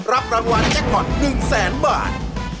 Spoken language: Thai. รับรางวัลแจ็คพอร์ต๑แสนบาท